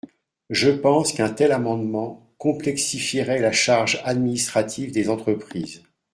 Je pense qu’un tel amendement complexifierait la charge administrative des entreprises.